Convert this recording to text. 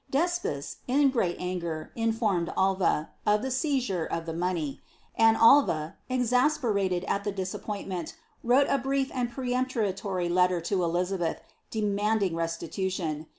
D''Espes, in great anger, informed Alva, of the seizure of the money ; and Alva, exasperated at the disappointment, wrote a brief and peremptory letter to Elizabeth, demanding restitution.